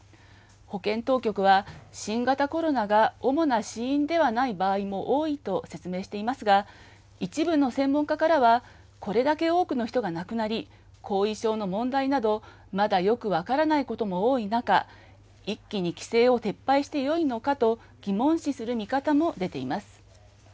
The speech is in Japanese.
保健当局は、新型コロナが主な死因ではない場合も多いと説明していますが、一部の専門家からは、これだけ多くの人が亡くなり、後遺症の問題など、まだよく分からないことも多い中、一気に規制を撤廃してよいのかと、疑問視する見方も出ています。